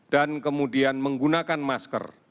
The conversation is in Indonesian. dan kemudian menggunakan masker